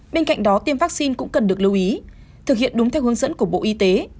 bên cạnh đó tiêm vaccine cũng cần được lưu ý thực hiện đúng theo hướng dẫn của bộ y tế